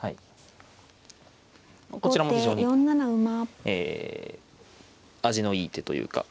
こちらも非常に味のいい手というか。